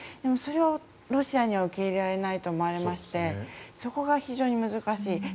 それはロシアには受け入れられないと思いましてそこが非常に難しい。